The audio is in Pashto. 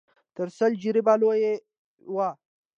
تر سل جريبه لوى و.